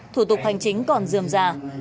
thủ tục hành chính còn dườm già